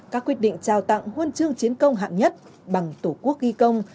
các quyết định trao tặng huân chương chiến công hạng nhất bằng tổ quốc ghi công